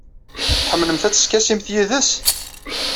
Tḥemmlemt ad teskasimt yid-s?